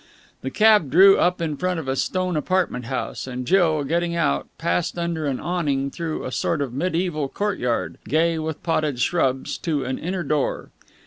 The cab drew up in front of a stone apartment house; and Jill, getting out, passed under an awning through a sort of mediæval courtyard, gay with potted shrubs, to an inner door.